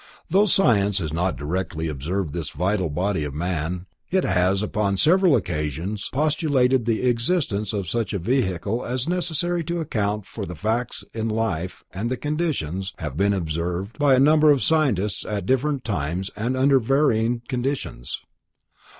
Though science has not directly observed this vital body of man, it has upon several occasions postulated the existence of such a vehicle as necessary to account for facts in life and the radiations have been observed by a number of scientists at different times and under varying conditions.